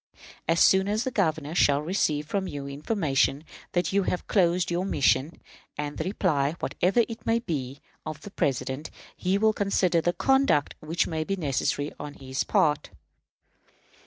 As soon as the Governor shall receive from you information that you have closed your mission, and the reply, whatever it may be, of the President, he will consider the conduct which may be necessary on his part."